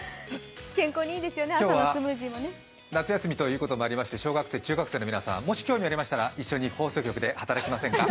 今日は夏休みということもありまして、小学生、中学生の皆さん、もし興味ありましたら一緒に放送局で働きませんか？